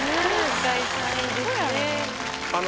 第３位ですね。